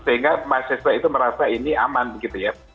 sehingga mahasiswa itu merasa ini aman begitu ya